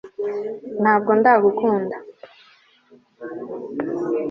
ntabwo ndagukunda